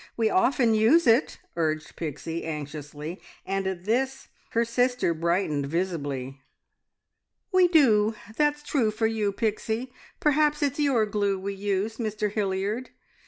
We often use it," urged Pixie anxiously; and at this her sister brightened visibly. "We do. That's true for you, Pixie. Perhaps it's your glue we use, Mr Hilliard.